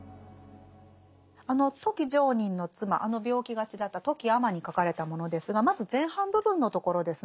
あの富木常忍の妻あの病気がちだった富木尼に書かれたものですがまず前半部分のところですね。